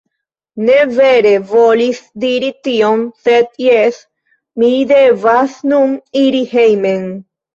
Ne, vere volis diri tion sed jes, mi devas nun iri hejmen